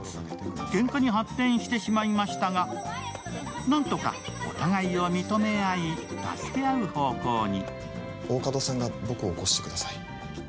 けんかに発展してしまいましたが、何とかお互いを認め合い、助け合う方向に。